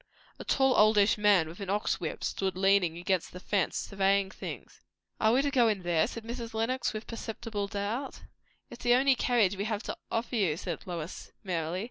A tall, oldish man, with an ox whip, stood leaning against the fence and surveying things. "Are we to go in there?" said Mrs. Lenox, with perceptible doubt. "It's the only carriage we have to offer you," said Lois merrily.